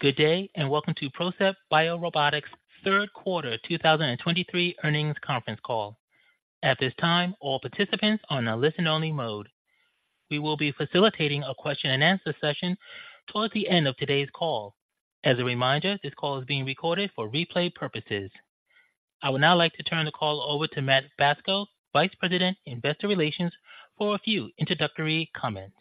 Good day, and welcome to PROCEPT BioRobotics' third quarter 2023 earnings conference call. At this time, all participants are on a listen-only mode. We will be facilitating a question-and-answer session towards the end of today's call. As a reminder, this call is being recorded for replay purposes. I would now like to turn the call over to Matt Bacso, Vice President, Investor Relations, for a few introductory comments.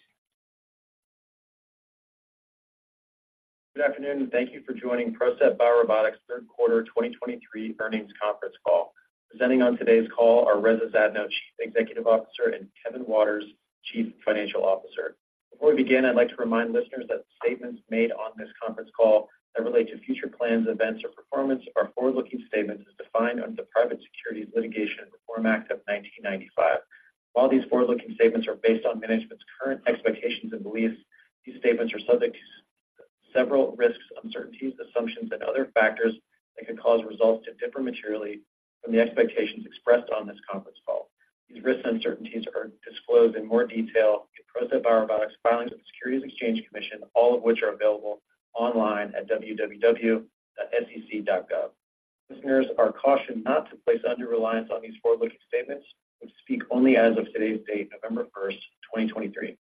Good afternoon, and thank you for joining PROCEPT BioRobotics third quarter 2023 earnings conference call. Presenting on today's call are Reza Zadno, Chief Executive Officer, and Kevin Waters, Chief Financial Officer. Before we begin, I'd like to remind listeners that statements made on this conference call that relate to future plans, events, or performance are forward-looking statements as defined under the Private Securities Litigation Reform Act of 1995. While these forward-looking statements are based on management's current expectations and beliefs, these statements are subject to several risks, uncertainties, assumptions, and other factors that could cause results to differ materially from the expectations expressed on this conference call. These risks and uncertainties are disclosed in more detail in PROCEPT BioRobotics' filings with the Securities and Exchange Commission, all of which are available online at www.sec.gov. Listeners are cautioned not to place undue reliance on these forward-looking statements, which speak only as of today's date, November 1, 2023.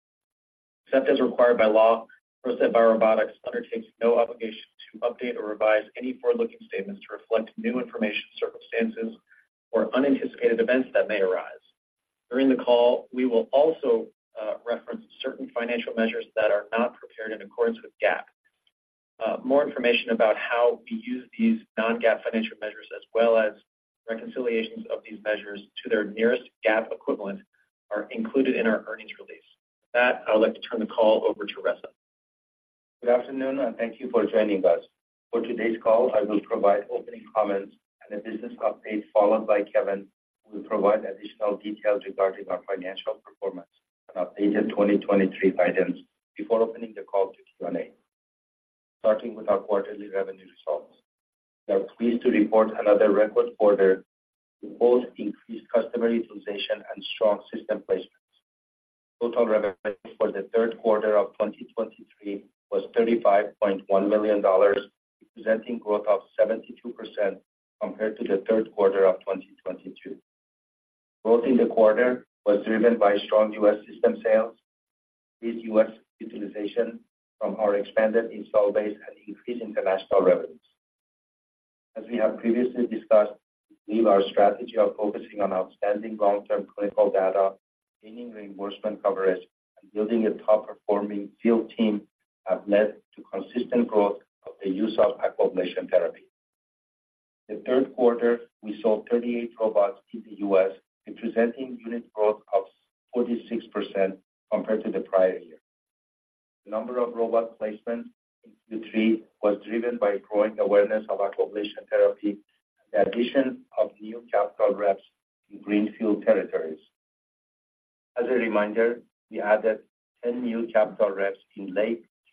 Except as required by law, PROCEPT BioRobotics undertakes no obligation to update or revise any forward-looking statements to reflect new information, circumstances, or unanticipated events that may arise. During the call, we will also reference certain financial measures that are not prepared in accordance with GAAP. More information about how we use these non-GAAP financial measures, as well as reconciliations of these measures to their nearest GAAP equivalent, are included in our earnings release. With that, I would like to turn the call over to Reza. Good afternoon, and thank you for joining us. For today's call, I will provide opening comments and a business update, followed by Kevin, who will provide additional details regarding our financial performance and updated 2023 guidance before opening the call to Q&A. Starting with our quarterly revenue results. We are pleased to report another record quarter with both increased customer utilization and strong system placements. Total revenue for the third quarter of 2023 was $35.1 million, representing growth of 72% compared to the third quarter of 2022. Growth in the quarter was driven by strong U.S. system sales, with U.S. utilization from our expanded install base and increased international revenues. As we have previously discussed, we believe our strategy of focusing on outstanding long-term clinical data, gaining reimbursement coverage, and building a top-performing field team have led to consistent growth of the use of Aquablation therapy. In the third quarter, we sold 38 robots in the U.S., representing unit growth of 46% compared to the prior year. The number of robot placements in Q3 was driven by growing awareness of Aquablation therapy and the addition of new capital reps in greenfield territories.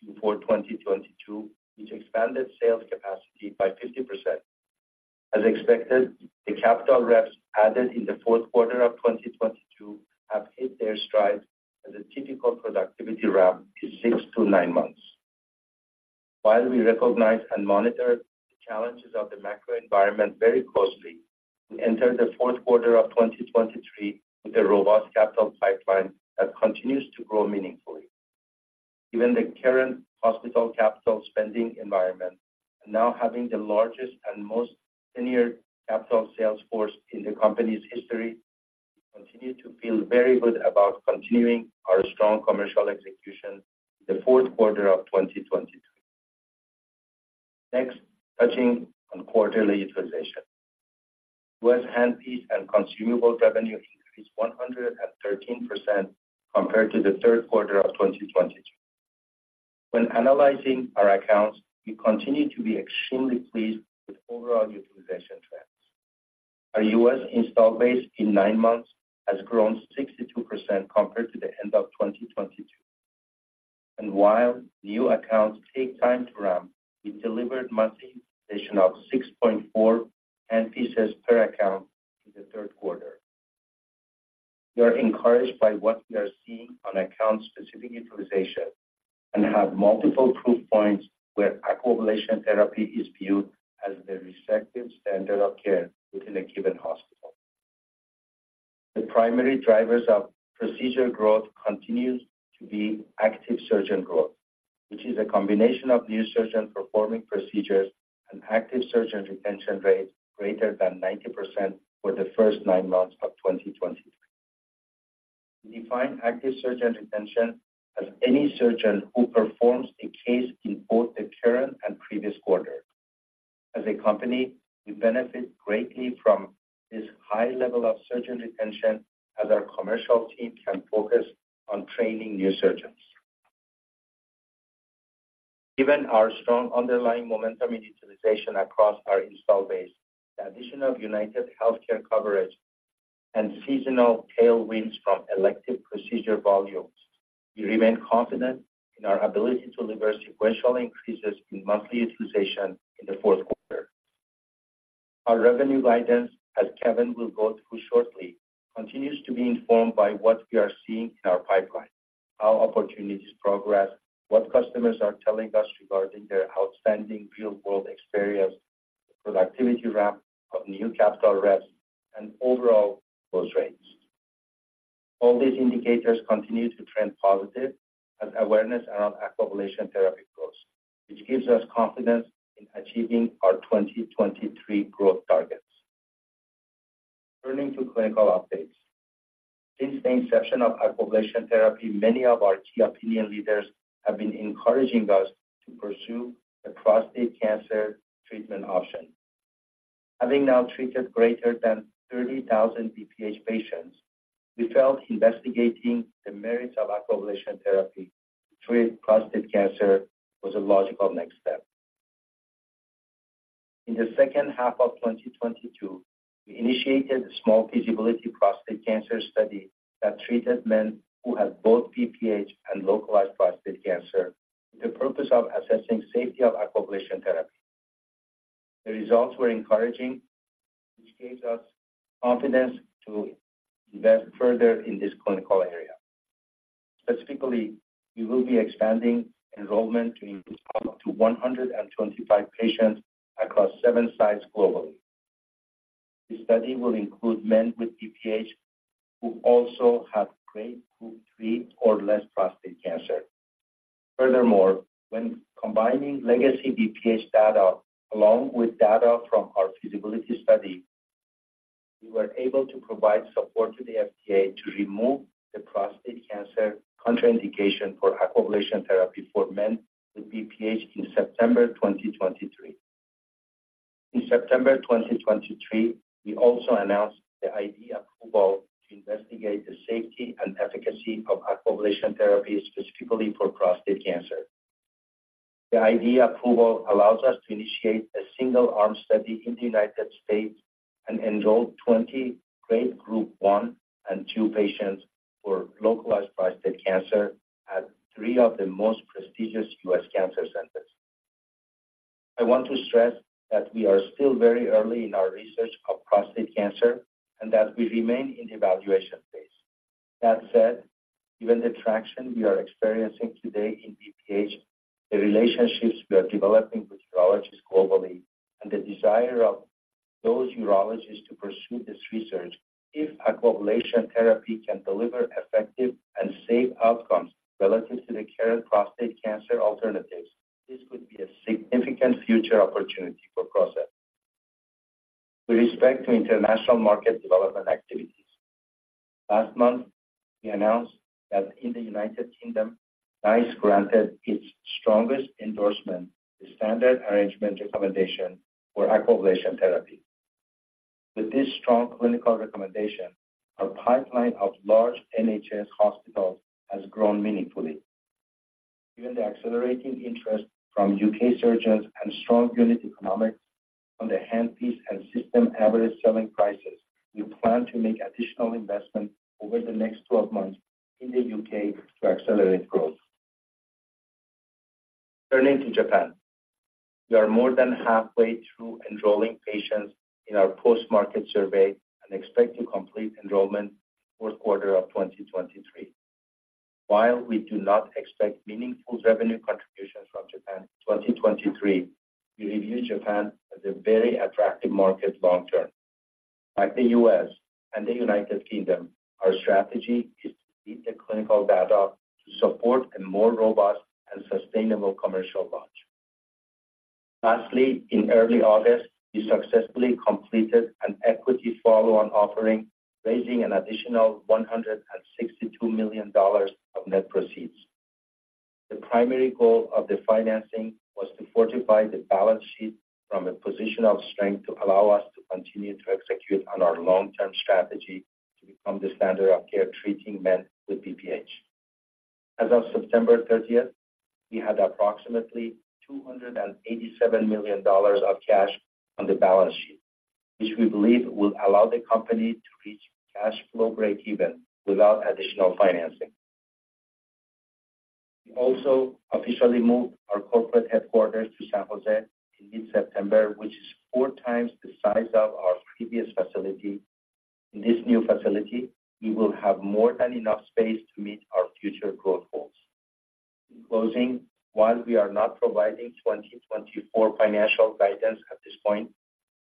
As a reminder, we added 10 new capital reps in late Q4 2022, which expanded sales capacity by 50%. As expected, the capital reps added in the fourth quarter of 2022 have hit their stride, as a typical productivity ramp is six to nine months. While we recognize and monitor the challenges of the macro environment very closely, we enter the fourth quarter of 2023 with a robust capital pipeline that continues to grow meaningfully. Given the current hospital capital spending environment and now having the largest and most tenured capital sales force in the company's history, we continue to feel very good about continuing our strong commercial execution in the fourth quarter of 2023. Next, touching on quarterly utilization. U.S. handpiece and consumable revenue increased 113% compared to the third quarter of 2022. When analyzing our accounts, we continue to be extremely pleased with overall utilization trends. Our U.S. installed base in nine months has grown 62% compared to the end of 2022. While new accounts take time to ramp, we delivered monthly utilization of 6.4 handpieces per account in the third quarter. We are encouraged by what we are seeing on account-specific utilization and have multiple proof points where Aquablation therapy is viewed as the resective standard of care within a given hospital. The primary drivers of procedure growth continues to be active surgeon growth, which is a combination of new surgeons performing procedures and active surgeon retention rates greater than 90% for the first nine months of 2023. We define active surgeon retention as any surgeon who performs a case in both the current and previous quarter. As a company, we benefit greatly from this high level of surgeon retention, as our commercial team can focus on training new surgeons. Given our strong underlying momentum and utilization across our install base, the addition of UnitedHealthcare coverage and seasonal tailwinds from elective procedure volumes, we remain confident in our ability to deliver sequential increases in monthly utilization in the fourth quarter. Our revenue guidance, as Kevin will go through shortly, continues to be informed by what we are seeing in our pipeline, how opportunities progress, what customers are telling us regarding their outstanding real-world experience, productivity ramp of new capital reps, and overall close rates. All these indicators continue to trend positive as awareness around Aquablation therapy grows, which gives us confidence in achieving our 2023 growth targets. Turning to clinical updates. Since the inception of Aquablation therapy, many of our key opinion leaders have been encouraging us to pursue a prostate cancer treatment option. Having now treated greater than 30,000 BPH patients, we felt investigating the merits of Aquablation therapy to treat prostate cancer was a logical next step. In the second half of 2022, we initiated a small feasibility prostate cancer study that treated men who had both BPH and localized prostate cancer, with the purpose of assessing safety of Aquablation therapy. The results were encouraging, which gives us confidence to invest further in this clinical area. Specifically, we will be expanding enrollment to increase up to 125 patients across seven sites globally. The study will include men with BPH who also have Grade Group 3 or less prostate cancer. Furthermore, when combining legacy BPH data along with data from our feasibility study, we were able to provide support to the FDA to remove the prostate cancer contraindication for Aquablation therapy for men with BPH in September 2023. In September 2023, we also announced the IDE approval to investigate the safety and efficacy of Aquablation therapy specifically for prostate cancer. The IDE approval allows us to initiate a single-arm study in the United States and enroll 20 Grade Group 1 and 2 patients for localized prostate cancer at three of the most prestigious U.S. cancer centers. I want to stress that we are still very early in our research of prostate cancer, and that we remain in the evaluation phase. That said, given the traction we are experiencing today in BPH, the relationships we are developing with urologists globally, and the desire of those urologists to pursue this research, if Aquablation therapy can deliver effective and safe outcomes relative to the current prostate cancer alternatives, this could be a significant future opportunity for us. With respect to international market development activities, last month, we announced that in the United Kingdom, NICE granted its strongest endorsement, the standard arrangement recommendation for Aquablation therapy. With this strong clinical recommendation, our pipeline of large NHS hospitals has grown meaningfully. Given the accelerating interest from U.K. surgeons and strong unit economics on the handpiece and system average selling prices, we plan to make additional investment over the next 12 months in the U.K. to accelerate growth. Turning to Japan, we are more than halfway through enrolling patients in our post-market survey and expect to complete enrollment fourth quarter of 2023. While we do not expect meaningful revenue contributions from Japan in 2023, we view Japan as a very attractive market long term. Like the U.S. and the United Kingdom, our strategy is to build the clinical data to support a more robust and sustainable commercial launch. Lastly, in early August, we successfully completed an equity follow-on offering, raising an additional $162 million of net proceeds. The primary goal of the financing was to fortify the balance sheet from a position of strength, to allow us to continue to execute on our long-term strategy to become the standard of care, treating men with BPH. As of September 30, we had approximately $287 million of cash on the balance sheet, which we believe will allow the company to reach cash flow breakeven without additional financing. We also officially moved our corporate headquarters to San Jose in mid-September, which is four times the size of our previous facility. In this new facility, we will have more than enough space to meet our future growth goals. In closing, while we are not providing 2024 financial guidance at this point,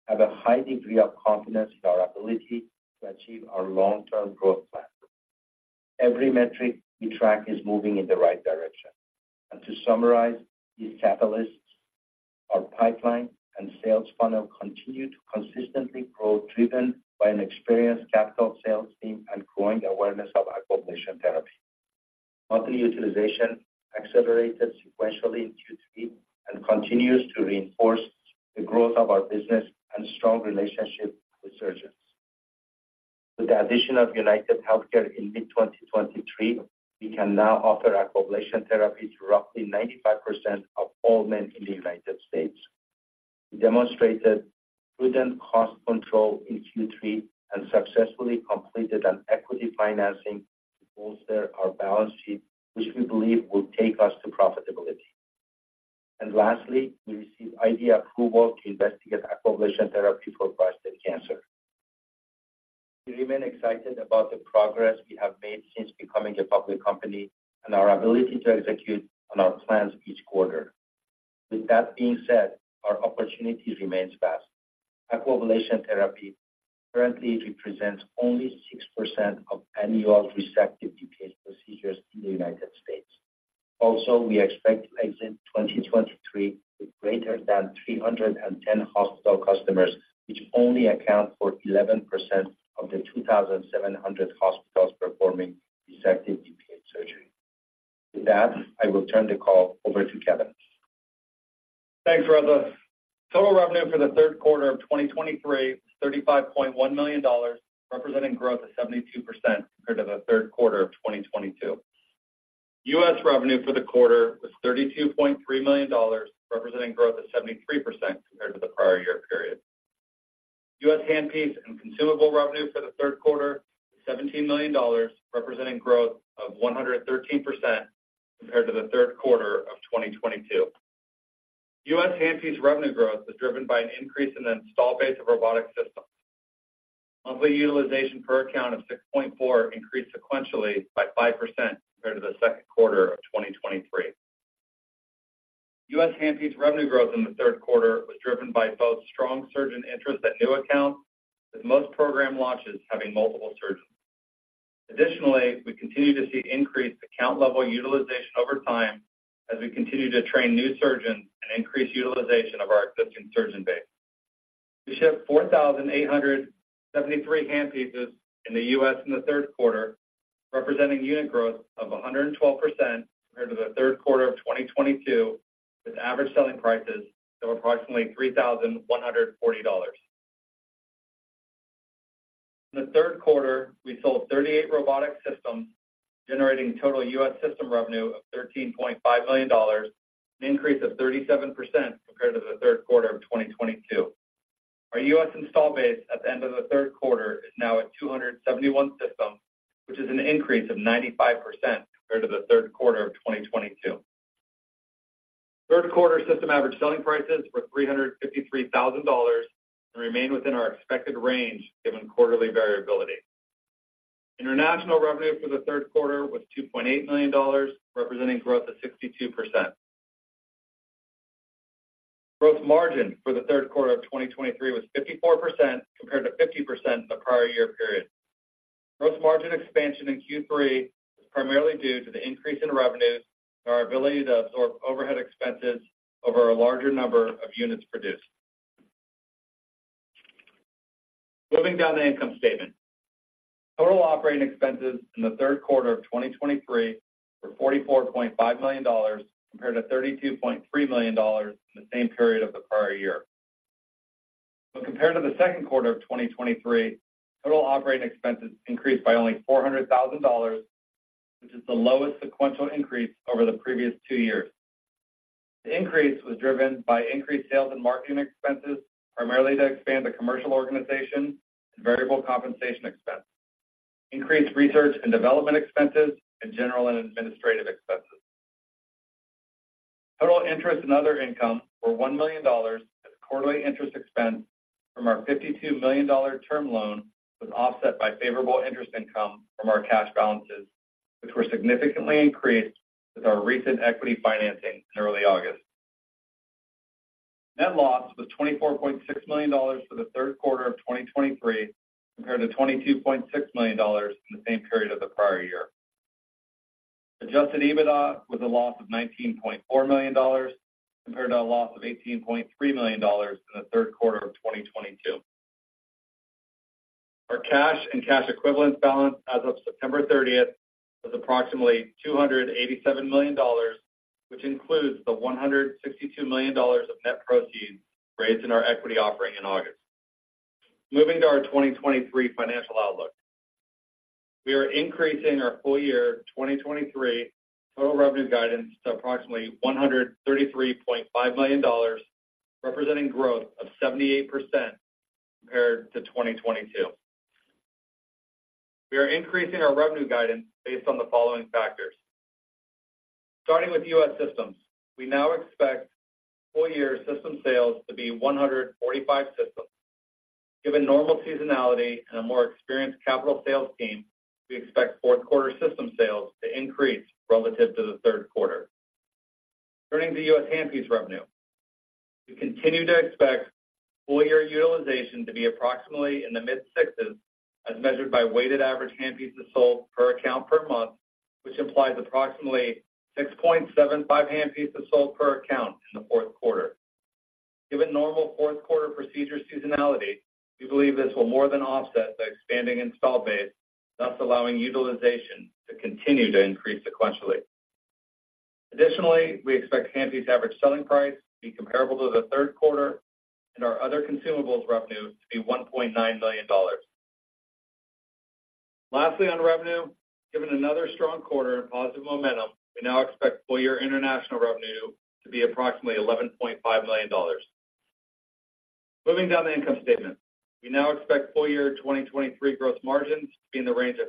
I have a high degree of confidence in our ability to achieve our long-term growth plan. Every metric we track is moving in the right direction. To summarize these catalysts, our pipeline and sales funnel continue to consistently grow, driven by an experienced capital sales team and growing awareness of Aquablation therapy. Monthly utilization accelerated sequentially in Q3 and continues to reinforce the growth of our business and strong relationship with surgeons. With the addition of UnitedHealthcare in mid-2023, we can now offer Aquablation therapy to roughly 95% of all men in the United States. We demonstrated prudent cost control in Q3 and successfully completed an equity financing to bolster our balance sheet, which we believe will take us to profitability.... And lastly, we received IDE approval to investigate Aquablation therapy for prostate cancer. We remain excited about the progress we have made since becoming a public company and our ability to execute on our plans each quarter. With that being said, our opportunities remains vast. Aquablation therapy currently represents only 6% of annual resective BPH procedures in the United States. Also, we expect to exit 2023 with greater than 310 hospital customers, which only account for 11% of the 2,700 hospitals performing resective BPH surgery. With that, I will turn the call over to Kevin. Thanks, Reza. Total revenue for the third quarter of 2023 was $35.1 million, representing growth of 72% compared to the third quarter of 2022. U.S. revenue for the quarter was $32.3 million, representing growth of 73% compared to the prior year period. U.S. handpiece and consumable revenue for the third quarter, $17 million, representing growth of 113% compared to the third quarter of 2022. U.S. handpiece revenue growth was driven by an increase in the install base of robotic systems. Monthly utilization per account of 6.4 handpieces increased sequentially by 5% compared to the second quarter of 2023. U.S. handpiece revenue growth in the third quarter was driven by both strong surgeon interest at new accounts, with most program launches having multiple surgeons. Additionally, we continue to see increased account level utilization over time as we continue to train new surgeons and increase utilization of our existing surgeon base. We shipped 4,873 handpieces in the U.S. in the third quarter, representing unit growth of 112% compared to the third quarter of 2022, with average selling prices of approximately $3,140. In the third quarter, we sold 38 robotic systems, generating total U.S. system revenue of $13.5 million, an increase of 37% compared to the third quarter of 2022. Our U.S. install base at the end of the third quarter is now at 271 systems, which is an increase of 95% compared to the third quarter of 2022. Third quarter system average selling prices were $353,000 and remain within our expected range, given quarterly variability. International revenue for the third quarter was $2.8 million, representing growth of 62%. Gross margin for the third quarter of 2023 was 54%, compared to 50% in the prior year period. Gross margin expansion in Q3 was primarily due to the increase in revenues and our ability to absorb overhead expenses over a larger number of units produced. Moving down the income statement. Total operating expenses in the third quarter of 2023 were $44.5 million, compared to $32.3 million in the same period of the prior year. Compared to the second quarter of 2023, total operating expenses increased by only $400,000, which is the lowest sequential increase over the previous two years. The increase was driven by increased sales and marketing expenses, primarily to expand the commercial organization and variable compensation expense, increased research and development expenses, and general and administrative expenses. Total interest and other income were $1 million, as quarterly interest expense from our $52 million term loan was offset by favorable interest income from our cash balances, which were significantly increased with our recent equity financing in early August. Net loss was $24.6 million for the third quarter of 2023, compared to $22.6 million in the same period of the prior year. Adjusted EBITDA was a loss of $19.4 million, compared to a loss of $18.3 million in the third quarter of 2022. Our cash and cash equivalents balance as of September 30th was approximately $287 million, which includes the $162 million of net proceeds raised in our equity offering in August. Moving to our 2023 financial outlook. We are increasing our full year 2023 total revenue guidance to approximately $133.5 million, representing growth of 78% compared to 2022. We are increasing our revenue guidance based on the following factors: Starting with U.S. systems, we now expect full year system sales to be 145 systems. Given normal seasonality and a more experienced capital sales team, we expect fourth quarter system sales to increase relative to the third quarter. Turning to U.S. handpiece revenue, we continue to expect full year utilization to be approximately in the mid-sixties, as measured by weighted average handpieces sold per account per month, which implies approximately 6.75 handpieces sold per account in the fourth quarter. Given normal fourth quarter procedure seasonality, we believe this will more than offset the expanding install base, thus allowing utilization to continue to increase sequentially. Additionally, we expect handpiece average selling price to be comparable to the third quarter and our other consumables revenue to be $1.9 million. Lastly, on revenue, given another strong quarter and positive momentum, we now expect full year international revenue to be approximately $11.5 million. Moving down the income statement. We now expect full year 2023 growth margins to be in the range of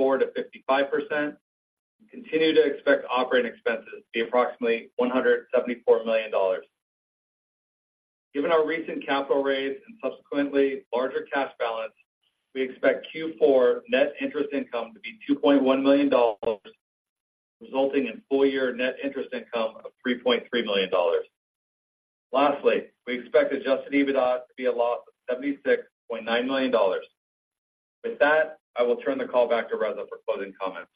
54%-55%. We continue to expect operating expenses to be approximately $174 million. Given our recent capital raise and subsequently larger cash balance, we expect Q4 net interest income to be $2.1 million, resulting in full year net interest income of $3.3 million. Lastly, we expect Adjusted EBITDA to be a loss of $76.9 million. With that, I will turn the call back to Reza for closing comments.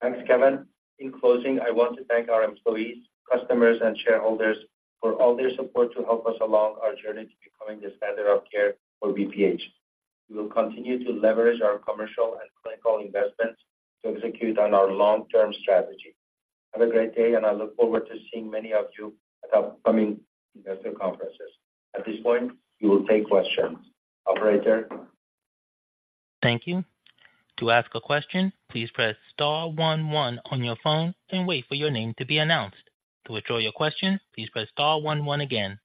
Thanks, Kevin. In closing, I want to thank our employees, customers, and shareholders for all their support to help us along our journey to becoming the standard of care for BPH. We will continue to leverage our commercial and clinical investments to execute on our long-term strategy. Have a great day, and I look forward to seeing many of you at upcoming investor conferences. At this point, we will take questions. Operator? Thank you. To ask a question, please press star one one on your phone and wait for your name to be announced. To withdraw your question, please press star one one again.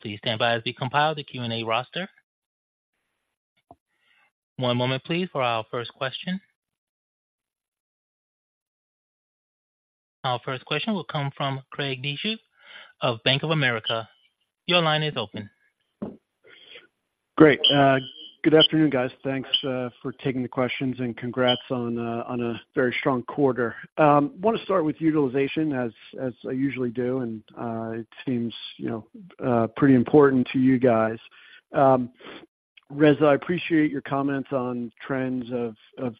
Please stand by as we compile the Q&A roster. One moment, please, for our first question. Our first question will come from Craig Bijou of Bank of America. Your line is open. Great. Good afternoon, guys. Thanks for taking the questions, and congrats on a very strong quarter. Want to start with utilization as I usually do, and it seems, you know, pretty important to you guys. Reza, I appreciate your comments on trends of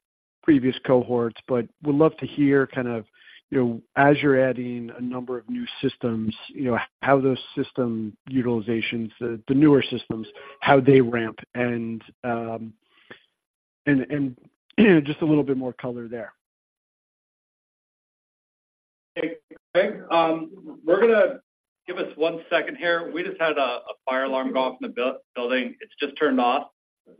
previous cohorts, but would love to hear kind of, you know, as you're adding a number of new systems, you know, how those system utilizations, the newer systems, how they ramp and just a little bit more color there. Hey, Craig, we're gonna give us one second here. We just had a fire alarm go off in the building. It's just turned off.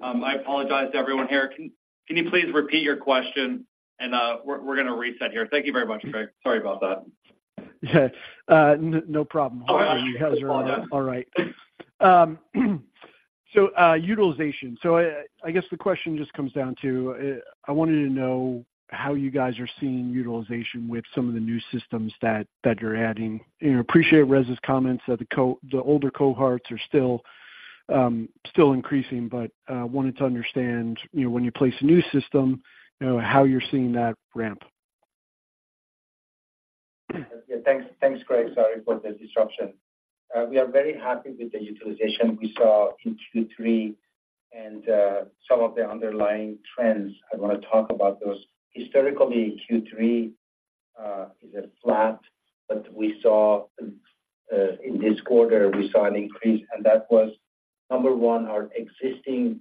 I apologize to everyone here. Can you please repeat your question? We're gonna reset here. Thank you very much, Craig. Sorry about that. No problem. All right. You guys are all right. So, utilization. So I guess the question just comes down to, I wanted to know how you guys are seeing utilization with some of the new systems that you're adding. You know, appreciate Reza's comments that the older cohorts are still increasing, but wanted to understand, you know, when you place a new system, you know, how you're seeing that ramp. Yeah. Thanks. Thanks, Craig. Sorry for the disruption. We are very happy with the utilization we saw in Q3 and some of the underlying trends. I want to talk about those. Historically, Q3 is a flat, but we saw in this quarter we saw an increase, and that was, number one, our existing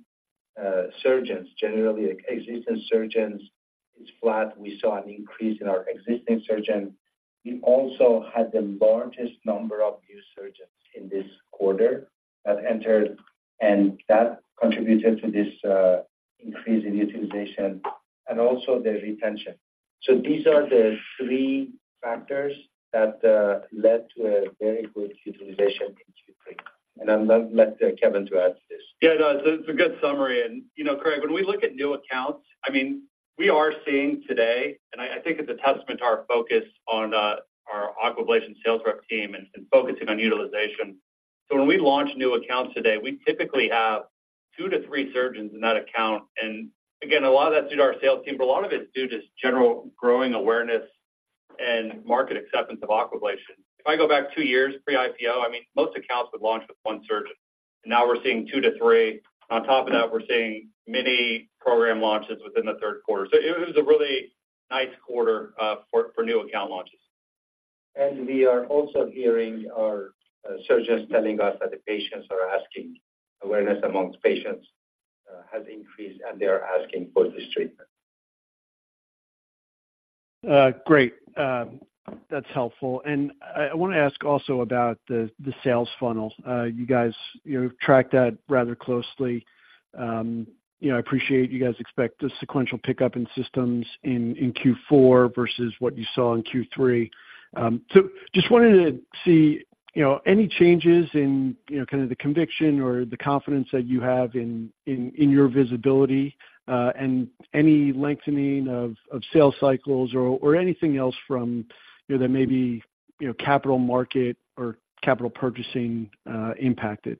surgeons. Generally existing surgeons is flat. We saw an increase in our existing surgeons. We also had the largest number of new surgeons in this quarter that entered, and that contributed to this increase in utilization and also the retention. So these are the three factors that led to a very good utilization in Q3. And I'll now let Kevin to add to this. Yeah, no, it's a good summary. And, you know, Craig, when we look at new accounts, I mean, we are seeing today, and I think it's a testament to our focus on our Aquablation sales rep team and focusing on utilization. So when we launch new accounts today, we typically have two to three surgeons in that account, and again, a lot of that's due to our sales team, but a lot of it is due to just general growing awareness and market acceptance of Aquablation. If I go back two years, pre-IPO, I mean, most accounts would launch with one surgeon, and now we're seeing two to three. On top of that, we're seeing many program launches within the third quarter. So it was a really nice quarter for new account launches. And we are also hearing our surgeons telling us that the patients are asking. Awareness among patients has increased, and they are asking for this treatment. Great. That's helpful. And I wanna ask also about the sales funnel. You guys track that rather closely. You know, I appreciate you guys expect a sequential pickup in systems in Q4 versus what you saw in Q3. So just wanted to see, you know, any changes in, you know, kind of the conviction or the confidence that you have in your visibility, and any lengthening of sales cycles or anything else from, you know, that may be, you know, capital market or capital purchasing impacted?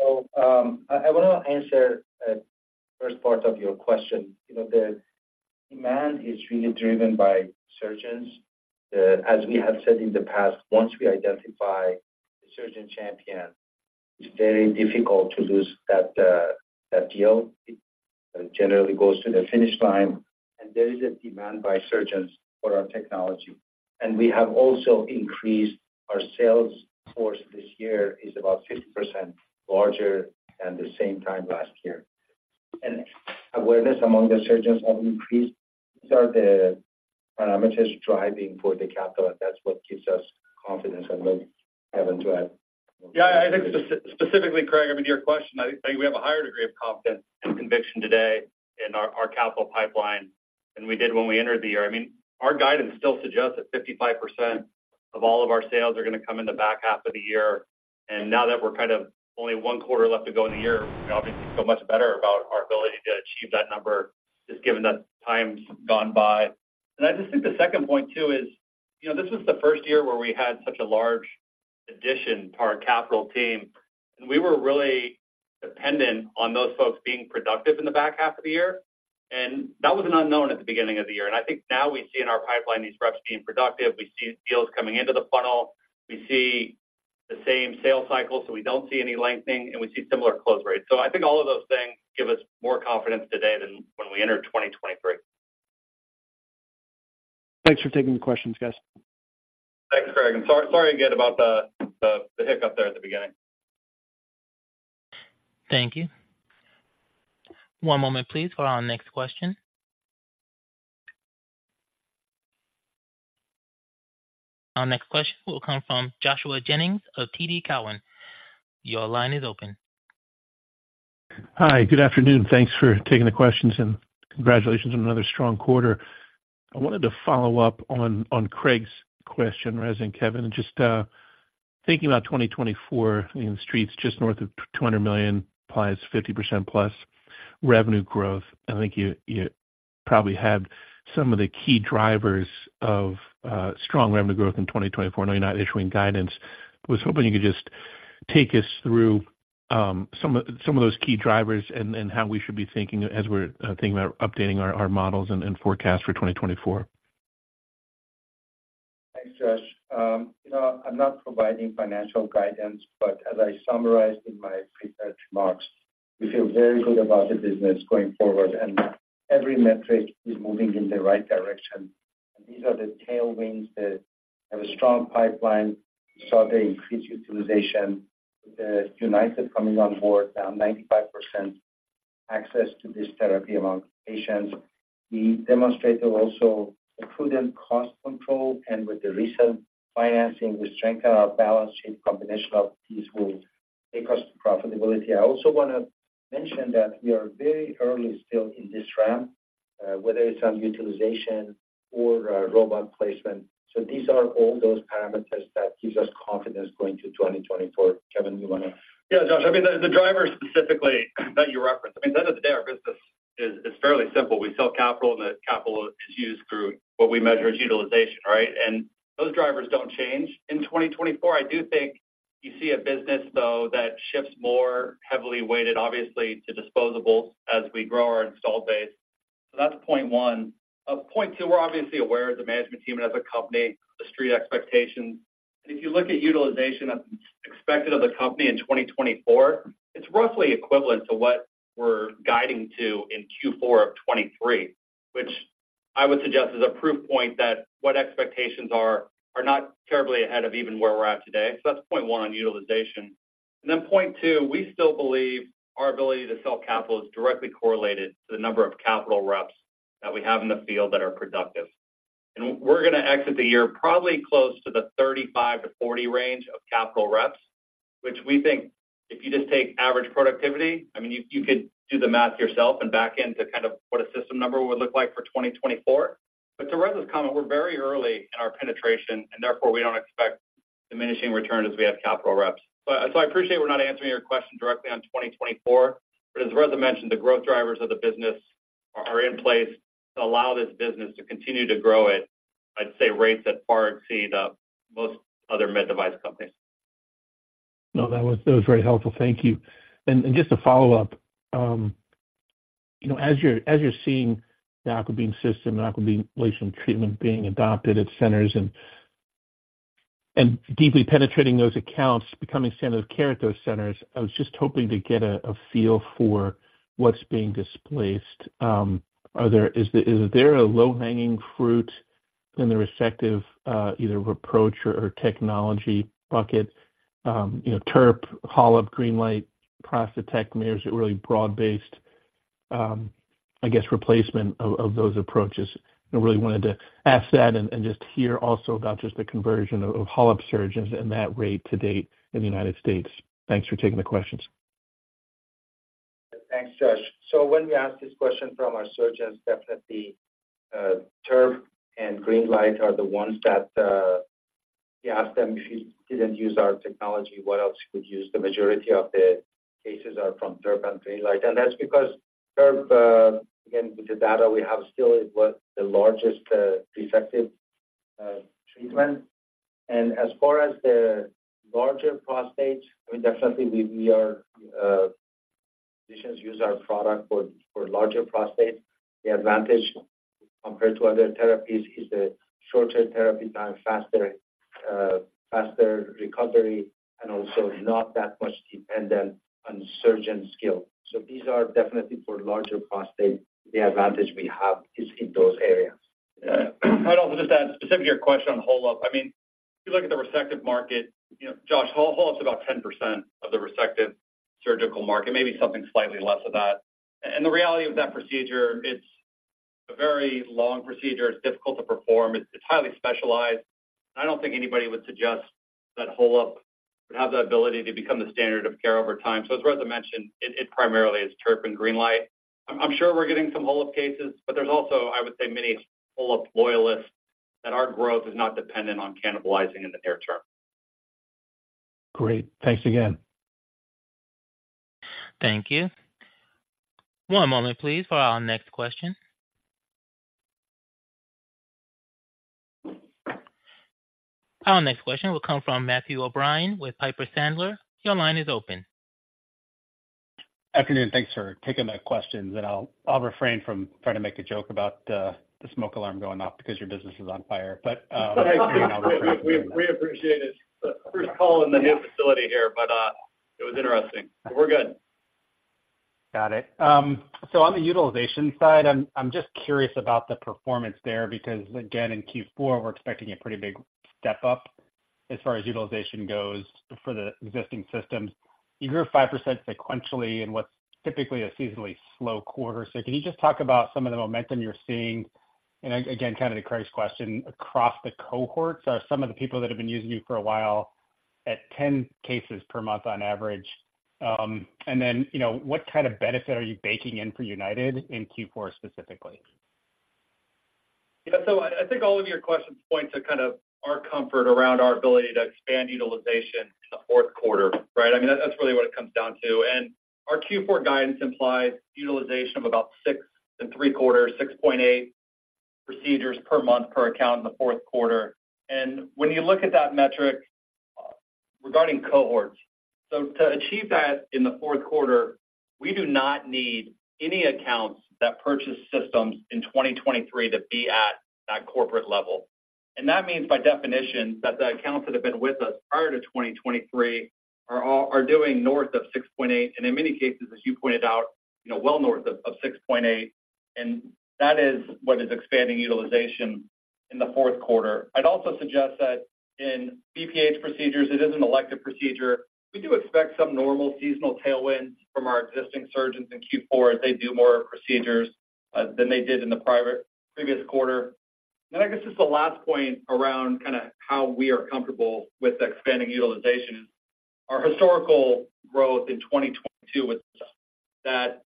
So, I wanna answer first part of your question. You know, the demand is really driven by surgeons. As we have said in the past, once we identify the surgeon champion, it's very difficult to lose that deal. It generally goes to the finish line, and there is a demand by surgeons for our technology. And we have also increased our sales force this year is about 50% larger than the same time last year. And awareness among the surgeons have increased. These are the parameters driving for the capital, and that's what gives us confidence. And then, Kevin, to add- Yeah, I think specifically, Craig, I mean, to your question, I think we have a higher degree of confidence and conviction today in our capital pipeline than we did when we entered the year. I mean, our guidance still suggests that 55% of all of our sales are going to come in the back half of the year. And now that we're kind of only one quarter left to go in the year, we obviously feel much better about our ability to achieve that number, just given that time's gone by. And I just think the second point, too, is, you know, this is the first year where we had such a large addition to our capital team, and we were really dependent on those folks being productive in the back half of the year. And that was an unknown at the beginning of the year. I think now we see in our pipeline, these reps being productive. We see deals coming into the funnel. We see the same sales cycle, so we don't see any lengthening, and we see similar close rates. So I think all of those things give us more confidence today than when we entered 2023. Thanks for taking the questions, guys. Thanks, Craig. Sorry again about the hiccup there at the beginning. Thank you. One moment, please, for our next question. Our next question will come from Joshua Jennings of TD Cowen. Your line is open. Hi. Good afternoon. Thanks for taking the questions, and congratulations on another strong quarter. I wanted to follow up on Craig's question, Reza and Kevin, and just thinking about 2024, I mean, the street's just north of $200 million, implies 50%+ revenue growth. I think you probably have some of the key drivers of strong revenue growth in 2024. I know you're not issuing guidance. I was hoping you could just take us through some of those key drivers and how we should be thinking as we're thinking about updating our models and forecast for 2024. Thanks, Josh. You know, I'm not providing financial guidance, but as I summarized in my prepared remarks, we feel very good about the business going forward, and every metric is moving in the right direction. And these are the tailwinds that have a strong pipeline. We saw the increased utilization, the United coming on board, now 95% access to this therapy among patients. We demonstrated also a prudent cost control, and with the recent financing, we strengthen our balance sheet. Combination of these will take us to profitability. I also want to mention that we are very early still in this ramp, whether it's on utilization or robot placement. So these are all those parameters that gives us confidence going to 2024. Kevin, you want to? Yeah, Josh, I mean, the drivers specifically that you referenced, I mean, at the end of the day, our business is fairly simple. We sell capital, and the capital is used through what we measure as utilization, right? And those drivers don't change. In 2024, I do think you see a business, though, that shifts more heavily weighted, obviously, to disposables as we grow our installed base. So that's point one. Point two, we're obviously aware of the management team and as a company, the street expectations. And if you look at utilization expected of the company in 2024, it's roughly equivalent to what we're guiding to in Q4 of 2023, which I would suggest is a proof point that what expectations are not terribly ahead of even where we're at today. So that's point one on utilization. And then point two, we still believe our ability to sell capital is directly correlated to the number of capital reps that we have in the field that are productive. We're going to exit the year probably close to the 35-40 range of capital reps, which we think if you just take average productivity, I mean, you could do the math yourself and back into kind of what a system number would look like for 2024. But to Reza's comment, we're very early in our penetration, and therefore, we don't expect diminishing returns as we add capital reps. But so I appreciate we're not answering your question directly on 2024, but as Reza mentioned, the growth drivers of the business are in place to allow this business to continue to grow at, I'd say, rates that far exceed most other med device companies. No, that was, that was very helpful. Thank you. Just to follow up, you know, as you're seeing the AquaBeam System and AquaBeam treatment being adopted at centers and deeply penetrating those accounts, becoming standard of care at those centers, I was just hoping to get a feel for what's being displaced. Are there-- is there, is there a low-hanging fruit in the resective, either approach or technology bucket, you know, TURP, HoLEP, GreenLight, prostatectomies, a really broad-based, I guess, replacement of those approaches? I really wanted to ask that and just hear also about just the conversion of HoLEP surgeons and that rate to date in the United States. Thanks for taking the questions. Thanks, Josh. So when we ask this question from our surgeons, definitely, TURP and GreenLight are the ones that, we ask them if you didn't use our technology, what else you could use? The majority of the cases are from TURP and GreenLight, and that's because TURP, again, with the data we have still is what the largest, resective, treatment. And as far as the larger prostate, I mean, definitely we are physicians use our product for larger prostate. The advantage compared to other therapies is the shorter therapy time, faster recovery, and also not that much dependent on surgeon skill. So these are definitely for larger prostate, the advantage we have is in those areas. Yeah. I'd also just add, specific to your question on HoLEP, I mean, if you look at the resective market, you know, Josh, HoLEP is about 10% of the resective surgical market, maybe something slightly less of that. And the reality of that procedure, it's a very long procedure. It's difficult to perform. It's, it's highly specialized. I don't think anybody would suggest that HoLEP would have the ability to become the standard of care over time. So as Reza mentioned, it, it primarily is TURP and GreenLight. I'm, I'm sure we're getting some HoLEP cases, but there's also, I would say, many HoLEP loyalists, that our growth is not dependent on cannibalizing in the near term. Great. Thanks again. Thank you. One moment please, for our next question. Our next question will come from Matthew O'Brien with Piper Sandler. Your line is open. Afternoon, thanks for taking my questions, and I'll refrain from trying to make a joke about the smoke alarm going off because your business is on fire. But- We appreciate it. First call in the new facility here, but it was interesting. But we're good. Got it. So on the utilization side, I'm just curious about the performance there, because again, in Q4, we're expecting a pretty big step up as far as utilization goes for the existing systems. You grew 5% sequentially in what's typically a seasonally slow quarter. So can you just talk about some of the momentum you're seeing? And again, kind of the Craig'ss question, across the cohorts, are some of the people that have been using you for a while at 10 cases per month on average? And then, you know, what kind of benefit are you baking in for United in Q4 specifically? Yeah, so I think all of your questions point to kind of our comfort around our ability to expand utilization in the fourth quarter, right? I mean, that's really what it comes down to. And our Q4 guidance implies utilization of about 6.75, 6.8 procedures per month per account in the fourth quarter. And when you look at that metric regarding cohorts, so to achieve that in the fourth quarter, we do not need any accounts that purchase systems in 2023 to be at that corporate level. And that means, by definition, that the accounts that have been with us prior to 2023 are doing north of 6.8, and in many cases, as you pointed out, you know, well north of 6.8, and that is what is expanding utilization in the fourth quarter. I'd also suggest that in BPH procedures, it is an elective procedure. We do expect some normal seasonal tailwinds from our existing surgeons in Q4 as they do more procedures than they did in the previous quarter. Then I guess just the last point around kind of how we are comfortable with expanding utilization. Our historical growth in 2022 was that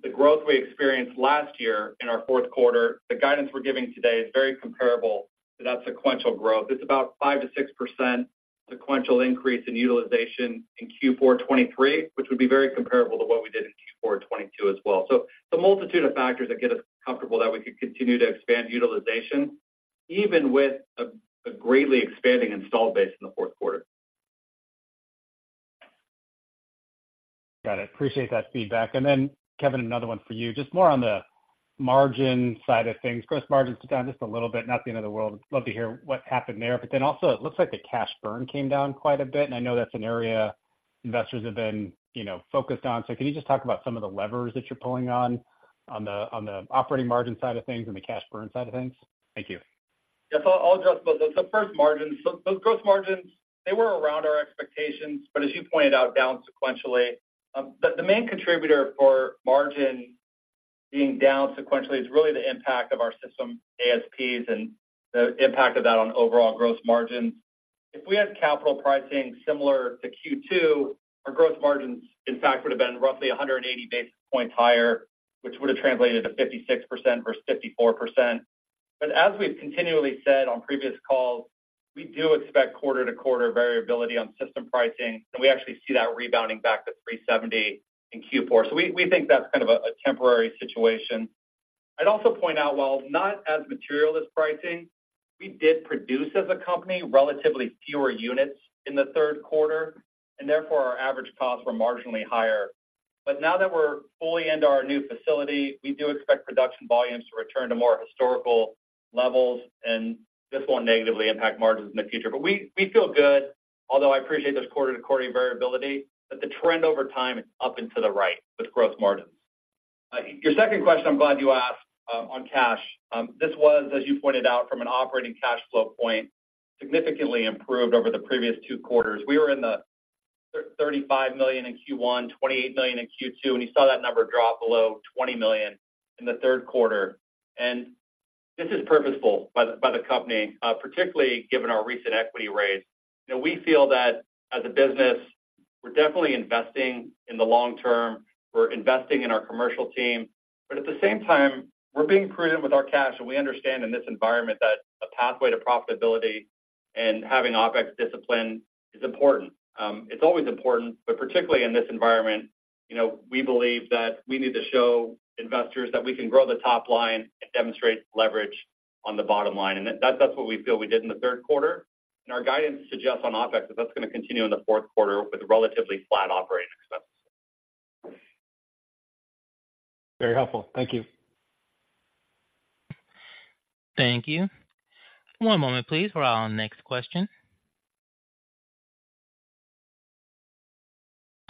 the growth we experienced last year in our fourth quarter, the guidance we're giving today is very comparable to that sequential growth. It's about 5%-6% sequential increase in utilization in Q4 2023, which would be very comparable to what we did in Q4 2022 as well. So a multitude of factors that get us comfortable that we could continue to expand utilization, even with a greatly expanding installed base in the fourth quarter. Got it. Appreciate that feedback. And then, Kevin, another one for you, just more on the margin side of things. Gross margins down just a little bit, not the end of the world. Love to hear what happened there, but then also it looks like the cash burn came down quite a bit, and I know that's an area investors have been, you know, focused on. So can you just talk about some of the levers that you're pulling on the operating margin side of things and the cash burn side of things? Thank you. Yes, I'll address both those. So first, margins. So those gross margins, they were around our expectations, but as you pointed out, down sequentially. The main contributor for margin being down sequentially is really the impact of our system ASPs and the impact of that on overall gross margins. If we had capital pricing similar to Q2, our gross margins, in fact, would have been roughly 180 basis points higher, which would have translated to 56% versus 54%. But as we've continually said on previous calls, we do expect quarter-to-quarter variability on system pricing, and we actually see that rebounding back to $370 in Q4. So we think that's kind of a temporary situation. I'd also point out, while not as material as pricing, we did produce, as a company, relatively fewer units in the third quarter, and therefore, our average costs were marginally higher. But now that we're fully into our new facility, we do expect production volumes to return to more historical levels, and this won't negatively impact margins in the future. But we feel good, although I appreciate this quarter-to-quarter variability, but the trend over time is up and to the right with gross margins. Your second question, I'm glad you asked, on cash. This was, as you pointed out, from an operating cash flow point, significantly improved over the previous two quarters. We were in the $35 million in Q1, $28 million in Q2, and you saw that number drop below $20 million in the third quarter. This is purposeful by the company, particularly given our recent equity raise. You know, we feel that as a business, we're definitely investing in the long term, we're investing in our commercial team, but at the same time, we're being prudent with our cash. We understand in this environment that a pathway to profitability and having OpEx discipline is important. It's always important, but particularly in this environment, you know, we believe that we need to show investors that we can grow the top line and demonstrate leverage on the bottom line. That's what we feel we did in the third quarter. Our guidance suggests on OpEx, that's going to continue in the fourth quarter with relatively flat operating expenses. Very helpful. Thank you. Thank you. One moment, please, for our next question.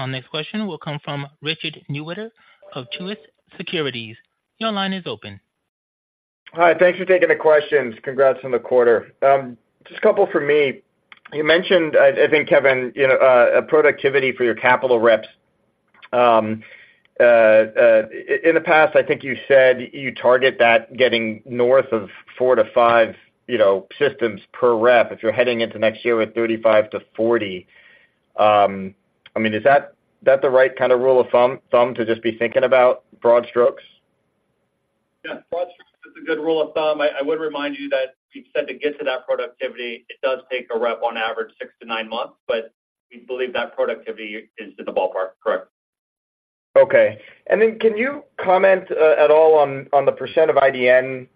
Our next question will come from Richard Newitter of Truist Securities. Your line is open. Hi, thanks for taking the questions. Congrats on the quarter. Just a couple from me. You mentioned, I, I think, Kevin, you know, a productivity for your capital reps.... In the past, I think you said you target that getting north of four to five, you know, systems per rep, if you're heading into next year with 35-40. I mean, is that, that the right kind of rule of thumb, thumb to just be thinking about broad strokes? Yeah, broad strokes is a good rule of thumb. I would remind you that we've said to get to that productivity, it does take a rep on average six to nine months, but we believe that productivity is in the ballpark, correct. Okay. And then can you comment at all on the percent of IDN,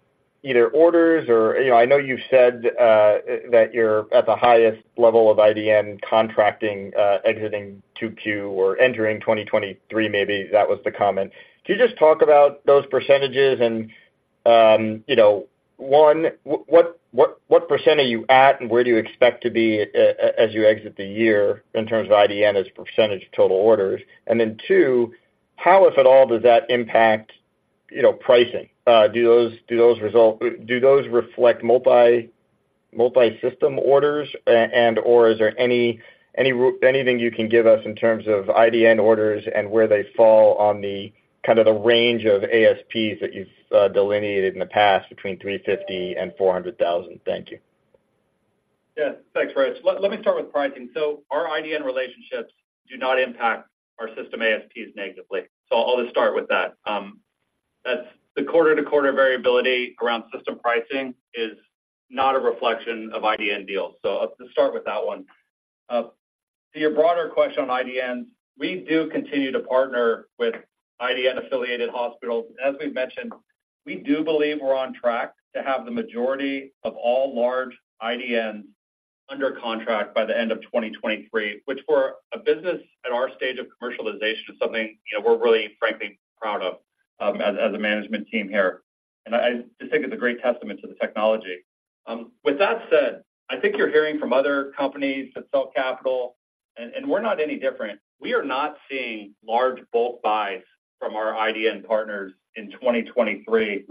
either orders or, you know, I know you've said that you're at the highest level of IDN contracting, exiting 2Q or entering 2023, maybe that was the comment. Can you just talk about those percentages and, you know, one, what percent are you at, and where do you expect to be as you exit the year in terms of IDN as percentage of total orders? And then, two, how, if at all, does that impact, you know, pricing? Do those results reflect multisystem orders and or is there anything you can give us in terms of IDN orders and where they fall on the kind of the range of ASPs that you've delineated in the past between $350,000 and $400,000? Thank you. Yeah. Thanks, Rich. Let me start with pricing. So our IDN relationships do not impact our system ASPs negatively. So I'll just start with that. That's the quarter-to-quarter variability around system pricing is not a reflection of IDN deals. So I'll just start with that one. To your broader question on IDNs, we do continue to partner with IDN-affiliated hospitals. As we've mentioned, we do believe we're on track to have the majority of all large IDNs under contract by the end of 2023, which for a business at our stage of commercialization, is something, you know, we're really frankly proud of, as a management team here. And I just think it's a great testament to the technology. With that said, I think you're hearing from other companies that sell capital, and we're not any different. We are not seeing large bulk buys from our IDN partners in 2023.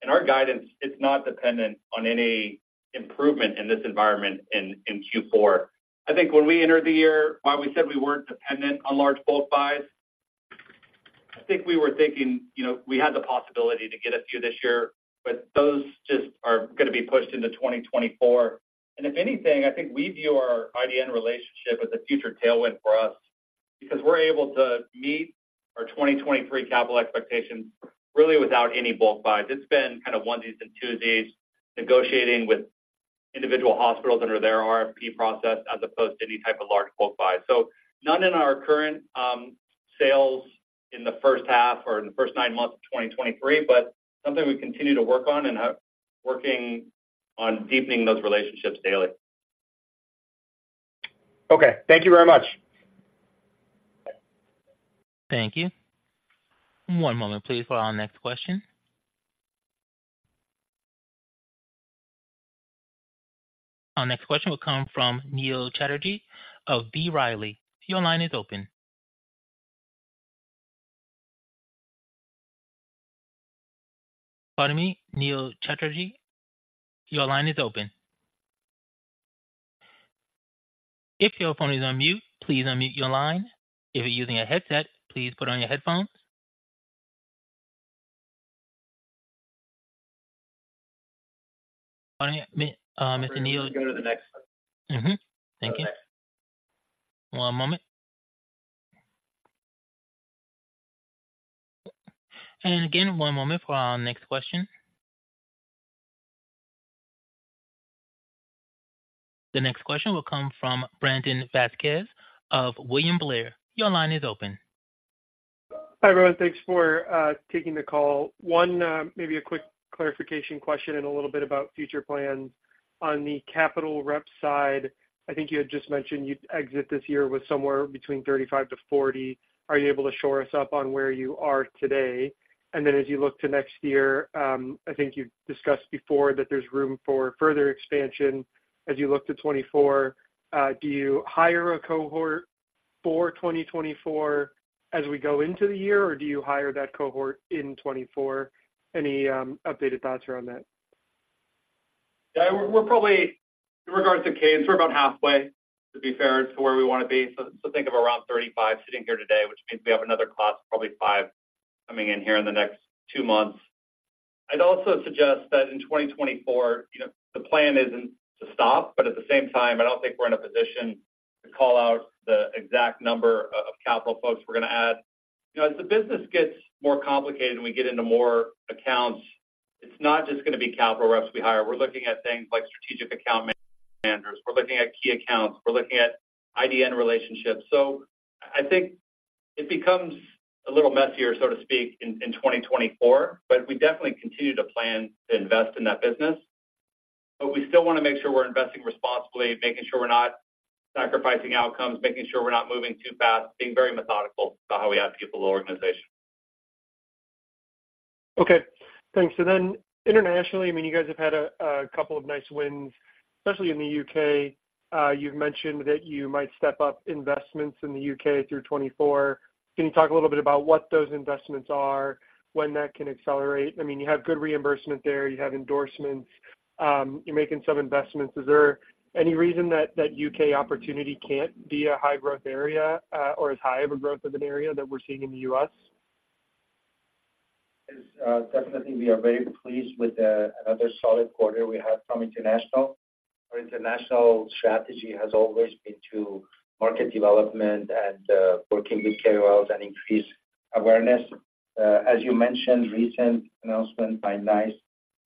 And our guidance is not dependent on any improvement in this environment in Q4. I think when we entered the year, while we said we weren't dependent on large bulk buys, I think we were thinking, you know, we had the possibility to get a few this year, but those just are gonna be pushed into 2024. And if anything, I think we view our IDN relationship as a future tailwind for us because we're able to meet our 2023 capital expectations really without any bulk buys. It's been kind of onesies and twosies, negotiating with individual hospitals under their RFP process as opposed to any type of large bulk buys. So none in our current sales in the first half or in the first nine months of 2023, but something we continue to work on and are working on deepening those relationships daily. Okay. Thank you very much. Thank you. One moment, please, for our next question. Our next question will come from Neil Chatterji of B. Riley. Your line is open. Pardon me, Neil Chatterji, your line is open. If your phone is on mute, please unmute your line. If you're using a headset, please put on your headphones. Mr. Neil- Go to the next. Mm-hmm. Thank you. Okay. One moment. Again, one moment for our next question. The next question will come from Brandon Vazquez of William Blair. Your line is open. Hi, everyone. Thanks for taking the call. One, maybe a quick clarification question and a little bit about future plans. On the capital rep side, I think you had just mentioned you'd exit this year with somewhere between 35-40. Are you able to shore us up on where you are today? And then as you look to next year, I think you've discussed before that there's room for further expansion as you look to 2024. Do you hire a cohort for 2024 as we go into the year, or do you hire that cohort in 2024? Any updated thoughts around that? Yeah, we're probably, in regards to U.K., we're about halfway, to be fair, to where we want to be. So think of around 35 sitting here today, which means we have another class, probably five, coming in here in the next two months. I'd also suggest that in 2024, you know, the plan isn't to stop, but at the same time, I don't think we're in a position to call out the exact number of capital folks we're going to add. You know, as the business gets more complicated and we get into more accounts, it's not just gonna be capital reps we hire. We're looking at things like strategic account managers. We're looking at key accounts. We're looking at IDN relationships. So I think it becomes a little messier, so to speak, in 2024, but we definitely continue to plan to invest in that business. But we still want to make sure we're investing responsibly, making sure we're not sacrificing outcomes, making sure we're not moving too fast, being very methodical about how we execute the whole organization. Okay, thanks. So then internationally, I mean, you guys have had a couple of nice wins, especially in the U.K. You've mentioned that you might step up investments in the U.K. through 2024. Can you talk a little bit about what those investments are, when that can accelerate? I mean, you have good reimbursement there, you have endorsements, you're making some investments. Is there any reason that UK opportunity can't be a high-growth area, or as high of a growth of an area that we're seeing in the U.S.?... Definitely we are very pleased with the, another solid quarter we have from international. Our international strategy has always been to market development and, working with KOLs and increase awareness. As you mentioned, recent announcement by NICE,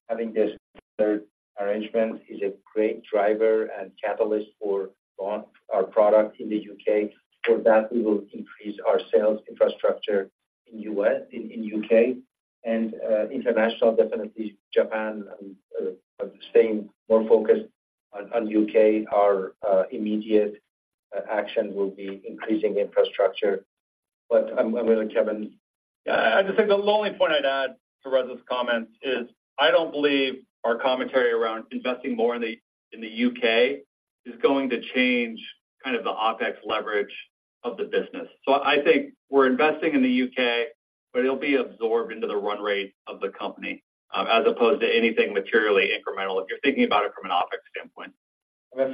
having this third arrangement is a great driver and catalyst for both our product in the U.K. For that, we will increase our sales infrastructure in U.S., in, in U.K. and, international, definitely Japan and, but staying more focused on, on U.K. Our, immediate action will be increasing infrastructure. But I'm, I'm with Kevin. Yeah, I just think the only point I'd add to Reza's comment is, I don't believe our commentary around investing more in the U.K. is going to change kind of the OpEx leverage of the business. So I think we're investing in the U.K., but it'll be absorbed into the run rate of the company, as opposed to anything materially incremental if you're thinking about it from an OpEx standpoint.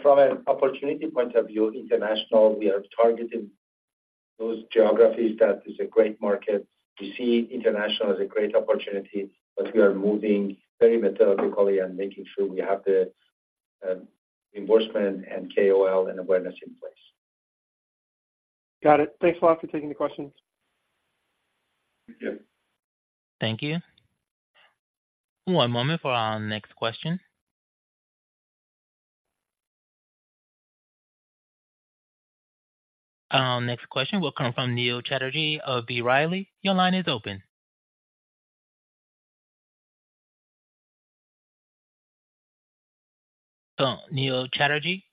From an opportunity point of view, international, we are targeting those geographies that is a great market. We see international as a great opportunity, but we are moving very methodically and making sure we have the reimbursement and KOL and awareness in place. Got it. Thanks a lot for taking the questions. Okay. Thank you. One moment for our next question. Our next question will come from Neil Chatterji of B. Riley. Your line is open. So Neil Chatterji,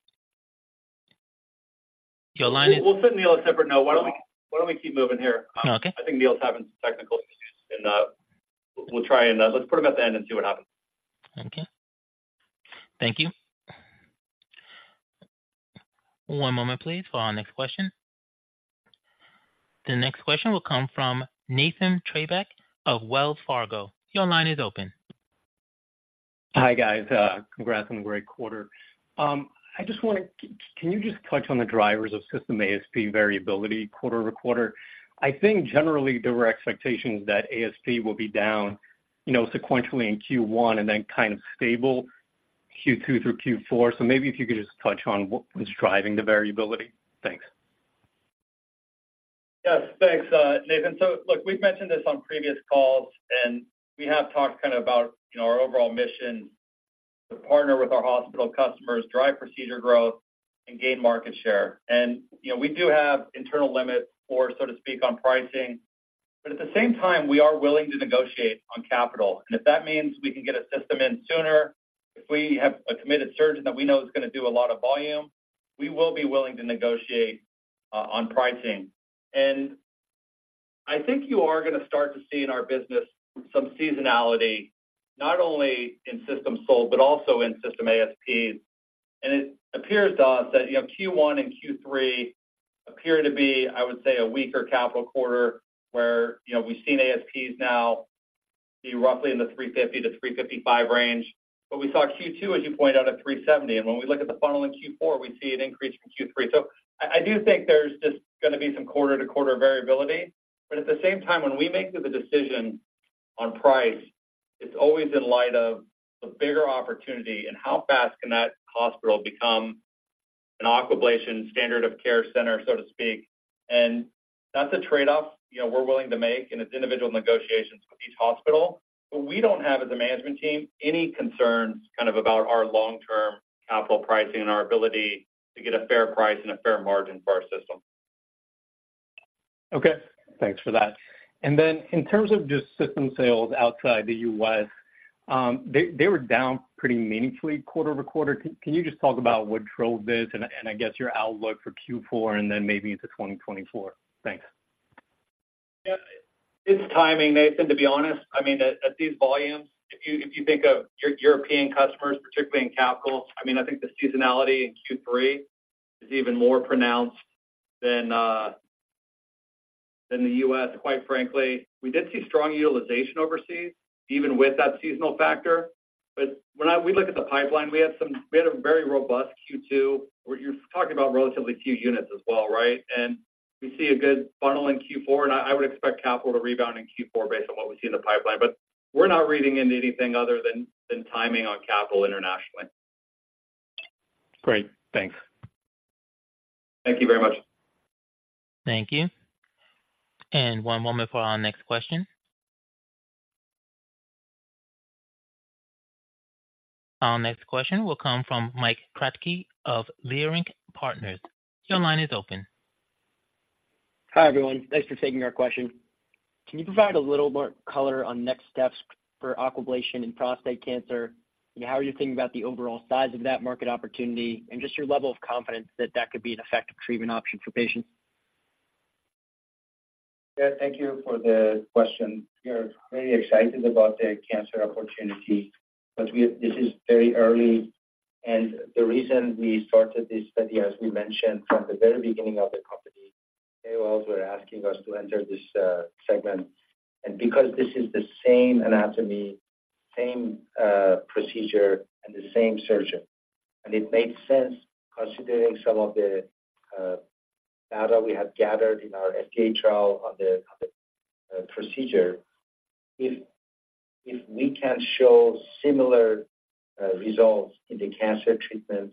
your line is- We'll send Neil a separate note. Why don't we, why don't we keep moving here? Okay. I think Neil's having technical issues, and we'll try and... Let's put him at the end and see what happens. Okay. Thank you. One moment, please, for our next question. The next question will come from Nathan Treybeck of Wells Fargo. Your line is open. Hi, guys, congrats on the great quarter. I just want to... Can you just touch on the drivers of system ASP variability quarter over quarter? I think generally there were expectations that ASP will be down, you know, sequentially in Q1 and then kind of stable Q2 through Q4. So maybe if you could just touch on what is driving the variability. Thanks. Yes, thanks, Nathan. So look, we've mentioned this on previous calls, and we have talked kind of about, you know, our overall mission to partner with our hospital customers, drive procedure growth, and gain market share. And, you know, we do have internal limits for, so to speak, on pricing, but at the same time, we are willing to negotiate on capital. And if that means we can get a system in sooner, if we have a committed surgeon that we know is going to do a lot of volume, we will be willing to negotiate on pricing. And I think you are going to start to see in our business some seasonality, not only in systems sold, but also in system ASPs. It appears to us that, you know, Q1 and Q3 appear to be, I would say, a weaker capital quarter, where, you know, we've seen ASPs now be roughly in the $350-$355 range. But we saw Q2, as you pointed out, at $370, and when we look at the funnel in Q4, we see an increase from Q3. So I, I do think there's just going to be some quarter-to-quarter variability, but at the same time, when we make the decision on price, it's always in light of the bigger opportunity and how fast can that hospital become an Aquablation standard of care center, so to speak. And that's a trade-off, you know, we're willing to make, and it's individual negotiations with each hospital. But we don't have, as a management team, any concerns kind of about our long-term capital pricing and our ability to get a fair price and a fair margin for our system. Okay, thanks for that. And then in terms of just system sales outside the U.S., they were down pretty meaningfully quarter-over-quarter. Can you just talk about what drove this and I guess your outlook for Q4 and then maybe into 2024? Thanks. Yeah. It's timing, Nathan, to be honest. I mean, at these volumes, if you think of your European customers, particularly in capital, I mean, I think the seasonality in Q3 is even more pronounced than the U.S., quite frankly. We did see strong utilization overseas, even with that seasonal factor. But when we look at the pipeline, we had a very robust Q2, where you're talking about relatively few units as well, right? And we see a good funnel in Q4, and I would expect capital to rebound in Q4 based on what we see in the pipeline. But we're not reading into anything other than timing on capital internationally. Great. Thanks. Thank you very much. Thank you. One moment for our next question. Our next question will come from Mike Kratky of Leerink Partners. Your line is open. Hi, everyone. Thanks for taking our question. Can you provide a little more color on next steps for Aquablation in prostate cancer, and how are you thinking about the overall size of that market opportunity and just your level of confidence that that could be an effective treatment option for patients? Yeah, thank you for the question. We are very excited about the cancer opportunity, but we... This is very early. And the reason we started this study, as we mentioned from the very beginning of the company, KOLs were asking us to enter this segment. And because this is the same anatomy, same procedure, and the same surgeon, and it made sense considering some of the data we have gathered in our FDA trial on the procedure. If we can show similar results in the cancer treatment,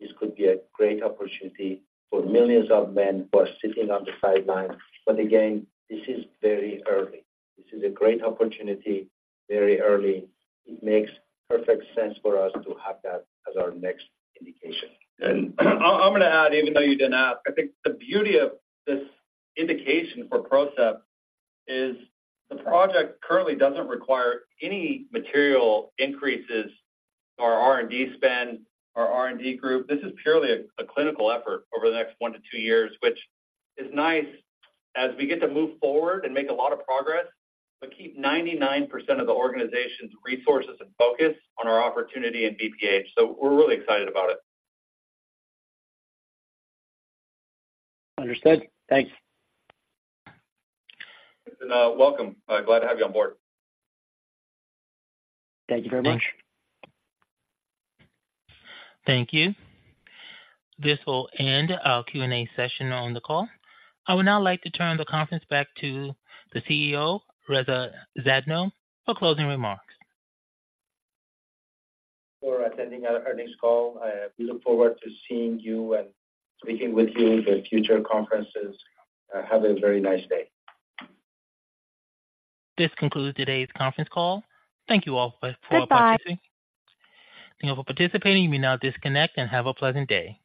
this could be a great opportunity for millions of men who are sitting on the sidelines. But again, this is very early. This is a great opportunity, very early. It makes perfect sense for us to have that as our next indication. I'm going to add, even though you didn't ask, I think the beauty of this indication for PROCEPT is the project currently doesn't require any material increases to our R&D spend, our R&D group. This is purely a clinical effort over the next one to two years, which is nice as we get to move forward and make a lot of progress, but keep 99% of the organization's resources and focus on our opportunity in BPH. So we're really excited about it. Understood. Thanks. Welcome. Glad to have you on board. Thank you very much. Thank you. This will end our Q&A session on the call. I would now like to turn the conference back to the CEO, Reza Zadno, for closing remarks. For attending our earnings call. We look forward to seeing you and speaking with you in the future conferences. Have a very nice day. This concludes today's conference call. Thank you all for participating. Thank you for participating, you may now disconnect and have a pleasant day.